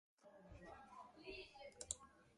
Hura, gremo na Aljasko!